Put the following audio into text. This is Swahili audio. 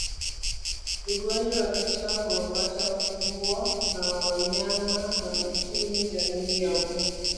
Ugonjwa wa kichaa huwapata mbwa na wanyama wa mwituni jamii ya mbwa